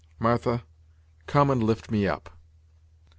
Martha, come and lift me up."